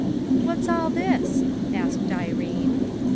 "What's all this?" asked Irene.